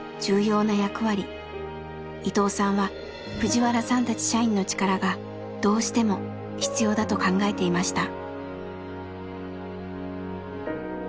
伊藤さんはプジワラさんたち社員の力がどうしても必要だと考えていました。